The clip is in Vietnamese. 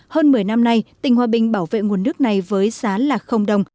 hơn một mươi năm nay tỉnh hòa bình bảo vệ nguồn nước này với giá là đồng